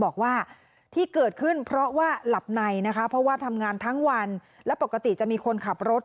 บอกว่าที่เกิดขึ้นเพราะว่าหลับในนะคะเพราะว่าทำงานทั้งวันและปกติจะมีคนขับรถ